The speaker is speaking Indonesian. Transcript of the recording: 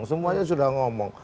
semuanya sudah ngomong